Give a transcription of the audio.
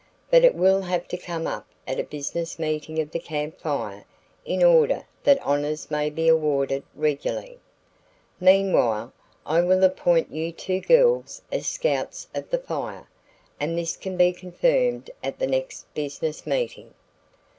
"But it will have to come up at a business meeting of the Camp Fire in order that honors may be awarded regularly. Meanwhile I will appoint you two girls as scouts of the Fire, and this can be confirmed at the next business meeting.